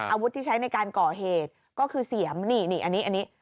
อาวุธที่ใช้ในการก่อเหตุก็คือเสียมนี่นี่อันนี้